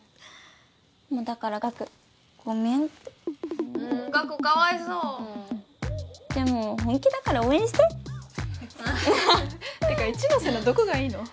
もうだから「岳ごめん」って岳かわいそううんでも本気だから応援して？ってか一ノ瀬のどこがいいの？